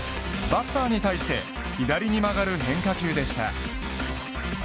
バッターに対して左に曲がる変化球でした。